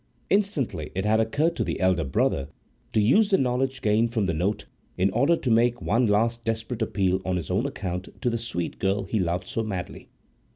Instantly it had occurred to the elder brother to use the knowledge gained from the note in order to make one last desperate appeal on his own account to the sweet girl he loved so madly.